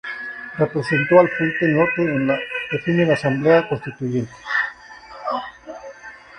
Representó al frente norte en la efímera Asamblea Constituyente.